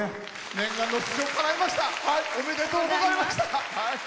念願の出場かないました。